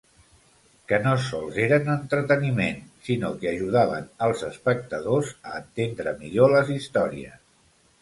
Que no sols eren entreteniment sinó que ajudaven als espectadors a entendre millor les històries.